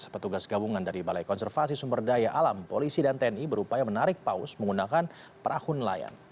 petugas gabungan dari balai konservasi sumber daya alam polisi dan tni berupaya menarik paus menggunakan perahu nelayan